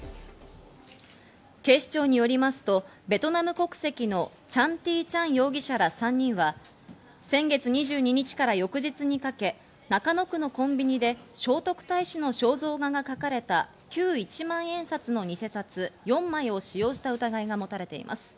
警視庁によりますと、ベトナム国籍のチャン・ティー・チャン容疑者ら３人は先月２２日から翌日にかけ中野区のコンビニで聖徳太子の肖像画が描かれた、旧１万円札の偽札４枚を使用した疑いが持たれています。